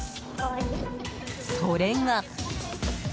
それが。